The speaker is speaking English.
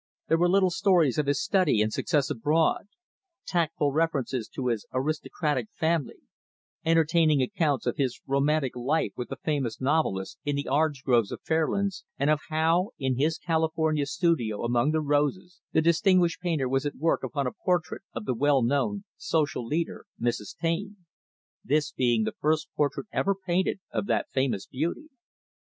There were little stories of his study and success abroad; tactful references to his aristocratic family; entertaining accounts of his romantic life with the famous novelist in the orange groves of Fairlands, and of how, in his California studio among the roses, the distinguished painter was at work upon a portrait of the well known social leader, Mrs. Taine this being the first portrait ever painted of that famous beauty.